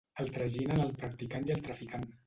El traginen el practicant i el traficant.